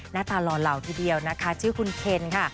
หน้าตาหล่อเหล่าทีเดียวนะคะชื่อคุณเคนค่ะ